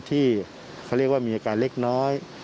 ที่เขาเรียกว่ามีอาการเล็กน้อย